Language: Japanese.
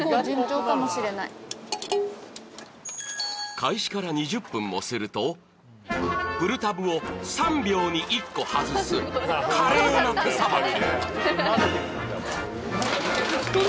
開始から２０分もすると、プルタブを３秒に１個外す、華麗な手さばき。